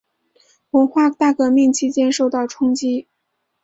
文化大革命期间受到冲击。